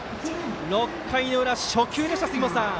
６回の裏、初球でした杉本さん。